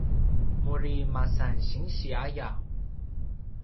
muri masan sinsi aya